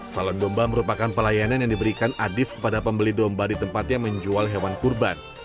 salon domba merupakan pelayanan yang diberikan adif kepada pembeli domba di tempatnya menjual hewan kurban